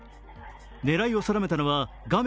狙いを定めたのは画面